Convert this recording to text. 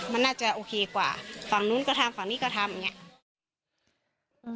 มันน่าจะโอเคกว่าฝั่งนู้นก็ทำฝั่งนี้ก็ทำอย่างนี้